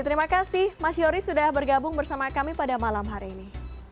terima kasih mas yoris sudah bergabung bersama kami pada malam hari ini